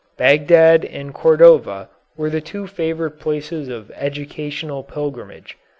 Bagdad and Cordova were the two favorite places of educational pilgrimage.